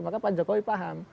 maka pak jokowi paham